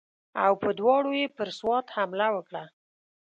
او په دواړو یې پر سوات حمله وکړه.